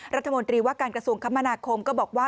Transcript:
รัฐมนตรีว่าการกระทรวงคมนาคมก็บอกว่า